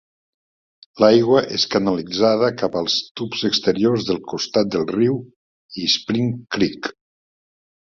L'aigua és canalitzada cap als tubs exteriors del costat del riu i Spring Creek.